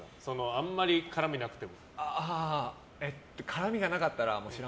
あんまり絡みなくて。